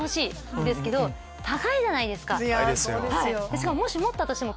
しかももし持ったとしても。